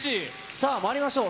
さあ、まいりましょう。